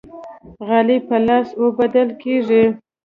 غالۍ په لاس اوبدل کیږي.